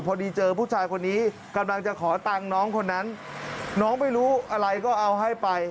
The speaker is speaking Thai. พอดีเจอผู้ชายคนนี้กำลังจะขอตังค์น้องคนนั้นน้องไม่รู้อะไรก็เอาให้ไป